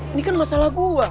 ini kan masalah gua